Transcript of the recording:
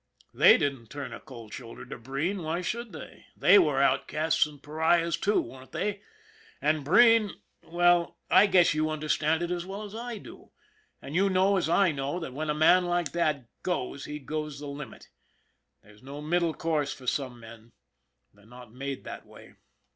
They didn't turn a cold shoulder to Breen. Why should they? They were outcasts and pariahs, too, weren't they? And Breen, well, I guess you understand as well as I do, and you know as I know that when a man like that goes he goes the limit. There's no middle course for some men, they're not made that way.